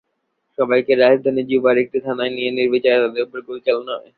সবাইকে রাজধানী জুবার একটি থানায় নিয়ে নির্বিচারে তাঁদের ওপর গুলি চালানো হয়।